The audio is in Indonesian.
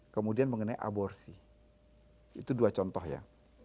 kemudian mengenai aborsi itu dua contoh ya